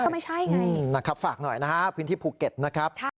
ไม่ใช่ฝากหน่อยนะครับพิมพ์ที่ภูเก็ตนะครับ